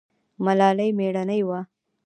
ملالۍ میړنۍ وه